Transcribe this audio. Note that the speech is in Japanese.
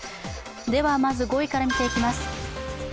ではまず５位から見ていきます。